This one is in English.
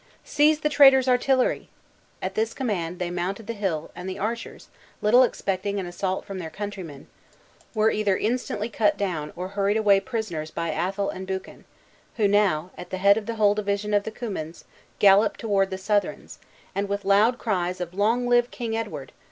"Seize the traitor's artillery!" At this command they mounted the hill and the archers, little expecting an assault from their countrymen, were either instantly cut down, or hurried away prisoners by Athol and Buchan; who now, at the head of the whole division of the Cummins, galloped toward the Southrons; and with loud cries of "Long live King Edward!"